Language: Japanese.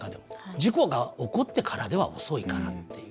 事故が起こってからでは遅いからという。